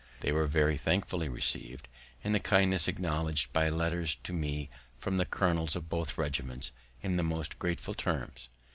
They were very thankfully receiv'd, and the kindness acknowledg'd by letters to me from the colonels of both regiments, in the most grateful terms.